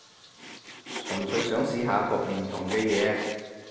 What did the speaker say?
純粹想試下焗唔同嘅嘢